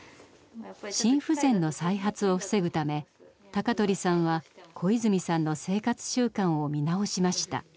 心不全の再発を防ぐため高取さんは小泉さんの生活習慣を見直しました。